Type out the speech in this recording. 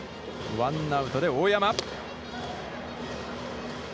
ワンアウトで大山。